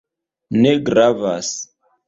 Ne gravas.